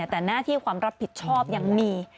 แต่หน้าที่ความรับผิดชอบยังมี